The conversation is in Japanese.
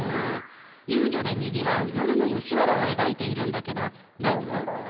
遊女でにぎわう夜の吉原を描いているんだけどどう思う？